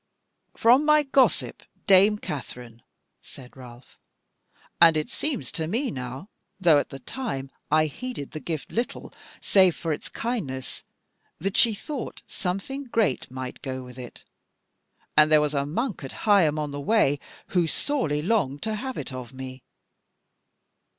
"From my gossip, dame Katherine," said Ralph; "and it seems to me now, though at the time I heeded the gift little save for its kindness, that she thought something great might go with it; and there was a monk at Higham on the Way, who sorely longed to have it of me."